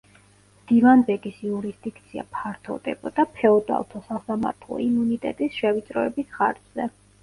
მდივანბეგის იურისდიქცია ფართოვდებოდა ფეოდალთა სასამართლო იმუნიტეტის შევიწროების ხარჯზე.